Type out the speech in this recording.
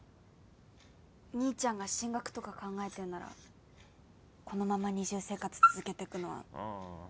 兄ちゃんが進学とか考えてんならこのまま二重生活続けてくのは無理だと思う。